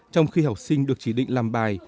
trong khi học sinh được chỉ định làm bài